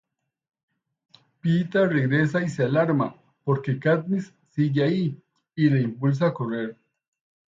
Peeta regresa y se alarma porque Katniss sigue ahí, y la impulsa a correr.